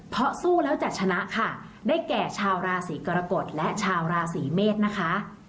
เพราะสู้แล้วจะชนะค่ะได้แก่ชาวราศีกรกฎและชาวราศีเมษนะคะ